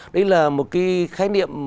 đấy là một cái khái niệm